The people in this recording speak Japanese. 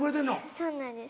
そうなんです